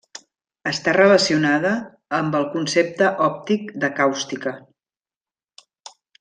Està relacionada amb el concepte òptic de càustica.